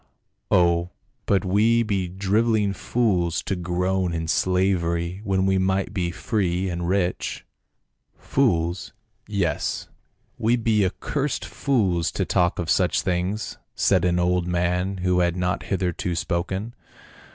" Oh, but we be driveling fools to groan in slavery when we might be free and rich." " Fools — yes, we be accursed fools to talk of such things," said an old man, who had not hitherto spoken.